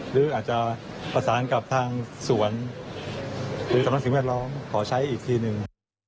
หรืออาจจะประสานกับทางสวนหรือสำนักสิ่งแวดล้อมขอใช้อีกทีหนึ่ง